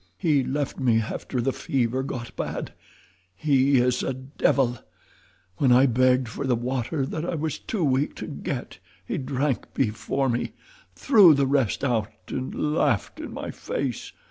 "He left me after the fever got bad. He is a devil. When I begged for the water that I was too weak to get he drank before me, threw the rest out, and laughed in my face."